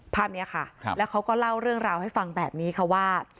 ภาพนี้ค่ะแล้วเขาก็เล่าเรื่องราวให้ฟังแบบนี้ค่ะว่า